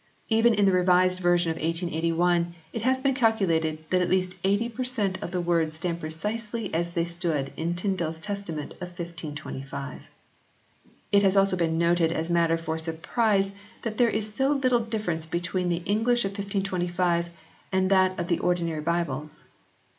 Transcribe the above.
Even in the Revised Version of 1881 it has been calculated that at least eighty per cent, of the words stand precisely as they stood in Tyndale s Testament of 1525." It has also been noted as matter for surprise that there is so little difference between the English of 1525 and that of the ordinary Bibles.